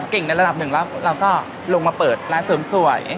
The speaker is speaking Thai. ในระดับหนึ่งแล้วเราก็ลงมาเปิดร้านเสริมสวย